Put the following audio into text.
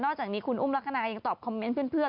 จากนี้คุณอุ้มลักษณะยังตอบคอมเมนต์เพื่อน